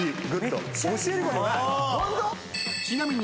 ［ちなみに］